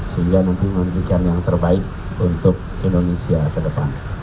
sehingga nanti memberikan yang terbaik untuk indonesia ke depan